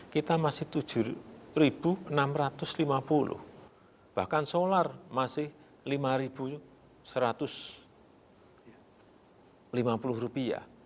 kita masih rp tujuh enam ratus lima puluh bahkan solar masih rp lima satu ratus lima puluh